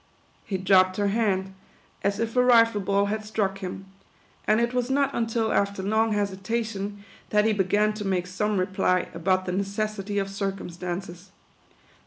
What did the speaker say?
He dropped her hand, as if a rifle ball had struck him ; and it was not until after long hesitation, that he began to make some re ply about the necessity of circumstances.